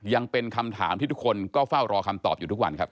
ยังเป็นคำถามที่ทุกคนก็เฝ้ารอคำตอบอยู่ทุกวันครับ